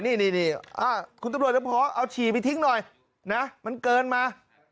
นี่คุณตำรวจจะพอเอาฉี่ไปทิ้งหน่อยนะมันเกินมา